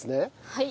はい。